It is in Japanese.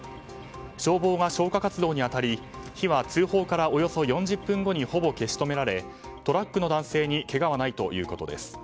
消防が消火活動に当たり火は通報からおよそ４０分後にほぼ消し止められトラックの男性にけがはないということです。